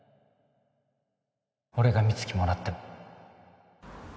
俺が美月もらっても